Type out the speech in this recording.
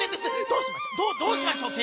どうしましょう？